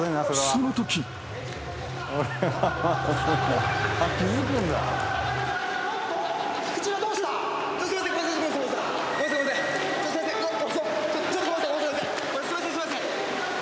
すいません。